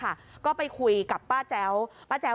แล้วพอไปตรวจสอบดูปรากฏว่า